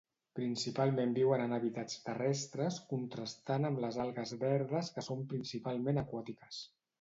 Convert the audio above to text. Principalment viuen en hàbitats terrestres, contrastant amb les algues verdes que són principalment aquàtiques.